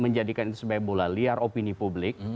menjadikan itu sebagai bola liar opini publik